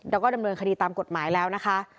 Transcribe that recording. แล้วก็ดำเนินคดีตามกฎหมายแล้วนะคะ